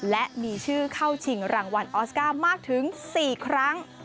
และมีชื่อเข้าชิงรางวัลออสการ์มากถึง๔ครั้ง